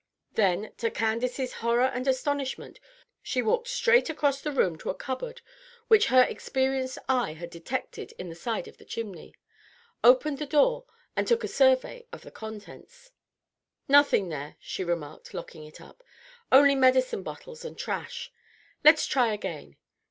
Then, to Candace's horror and astonishment, she walked straight across the room to a cupboard which her experienced eye had detected in the side of the chimney, opened the door, and took a survey of the contents. "Nothing there," she remarked, locking it up, "only medicine bottles and trash. Let's try again."